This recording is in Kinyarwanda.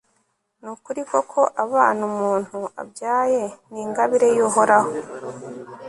ni ukuri koko, abana umuntu abyaye ni ingabire y'uhoraho